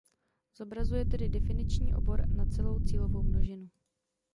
Zobrazuje tedy definiční obor na celou cílovou množinu.